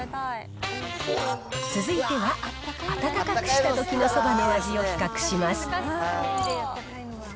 続いては、温かくしたときのそばの味を比較します。